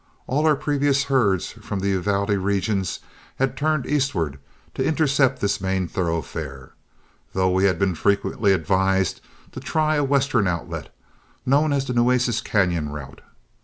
All our previous herds from the Uvalde regions had turned eastward to intercept this main thoroughfare, though we had been frequently advised to try a western outlet known as the Nueces Cañon route.